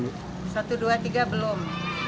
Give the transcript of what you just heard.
satu dua tiga belum